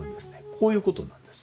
こういうことなんです。